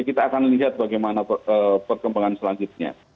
kita akan lihat bagaimana perkembangan selanjutnya